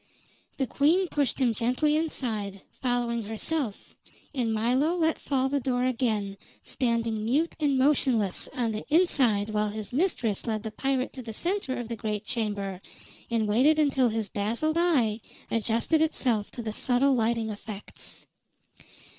The queen pushed him gently inside, following herself, and Milo let fall the door again, standing mute and motionless on the inside while his mistress led the pirate to the center of the great chamber and waited until his dazzled eye adjusted itself to the subtle lighting effects.